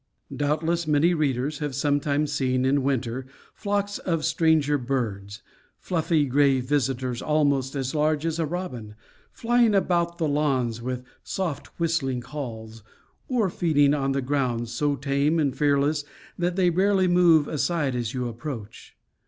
Doubtless many readers have sometimes seen in winter flocks of stranger birds fluffy gray visitors, almost as large as a robin flying about the lawns with soft whistling calls, or feeding on the ground, so tame and fearless that they barely move aside as you approach.